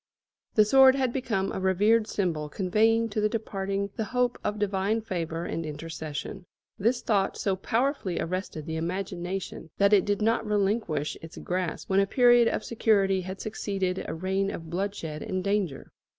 The sword had become a revered symbol conveying to the departing the hope of divine favour and intercession. This thought so powerfully arrested the imagination that it did not relinquish its grasp when a period of security had succeeded a reign of bloodshed and danger.